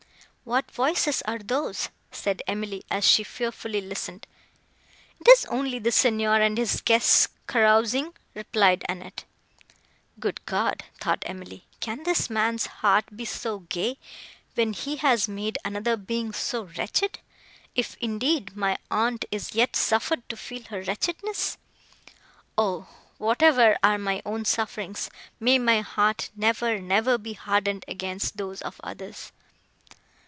"What voices are those?" said Emily, as she fearfully listened. "It is only the Signor and his guests, carousing," replied Annette. "Good God!" thought Emily, "can this man's heart be so gay, when he has made another being so wretched; if, indeed, my aunt is yet suffered to feel her wretchedness? O! whatever are my own sufferings, may my heart never, never be hardened against those of others!"